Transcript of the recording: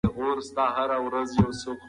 که جګړه ختمه سي سوله راځي.